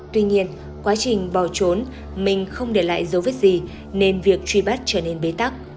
tuy nhiên quá trình bỏ trốn mình không để lại dấu vết gì nên việc truy bắt trở nên bế tắc